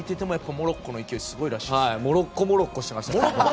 モロッコモロッコしてました。